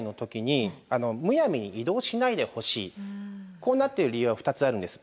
こうなってる理由は２つあるんです。